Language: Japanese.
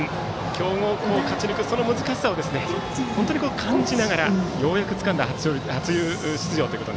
強豪校を勝ち抜く難しさを感じながらようやくつかんだ初出場。